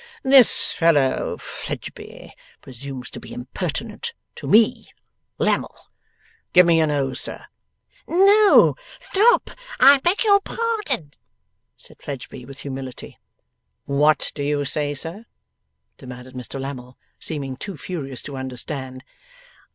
This fellow, Fledgeby, presumes to be impertinent to me, Lammle. Give me your nose sir!' 'No! Stop! I beg your pardon,' said Fledgeby, with humility. 'What do you say, sir?' demanded Mr Lammle, seeming too furious to understand.